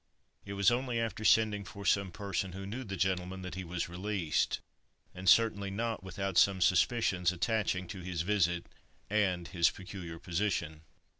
It was only after sending for some person who knew the gentleman that he was released, and certainly not without some suspicions attaching to his visit and his peculiar position.